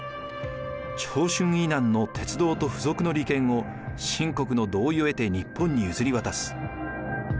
長春以南の鉄道と付属の利権を清国の同意を得て日本に譲り渡す。